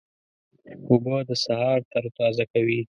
اوبه د سهار تروتازه کوي.